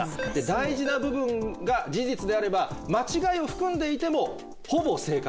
大事な部分が事実であれば間違いを含んでいても「ほぼ正確」